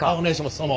どうも。